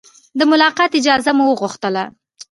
د ملاقات اجازه مو وغوښته.